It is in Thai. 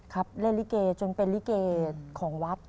ครับเรียนริเกย์จนเป็นริเกย์ของวัด